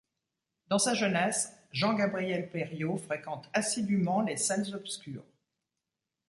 Dans sa jeunesse, Jean-Gabriel Périot fréquente assidûment les salles obscures.